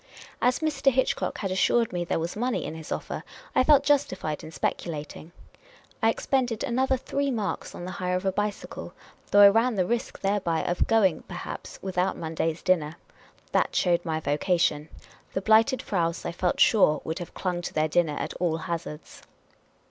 As Mr. Hitchcock had assured me there was money in his offer, I felt justified in speculating. I expended another three marks on the hire of a bicycle, though I ran the risk thereby of going, perhaps, without Monday's dinner. That showed my vocation.. The Blighted Fraus, I felt sure, would have clung to their dinner at all hazards.